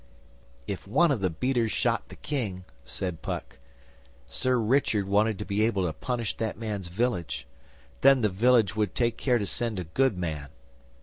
'If one of the beaters shot the King,' said Puck, 'Sir Richard wanted to be able to punish that man's village. Then the village would take care to send a good man.